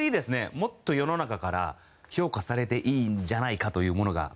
もっと世の中から評価されていいんじゃないかというものがございまして。